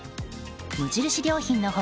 無印良品の他